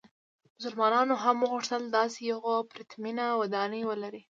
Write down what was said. مسلمانانو هم وغوښتل داسې یوه پرتمینه ودانۍ ولري.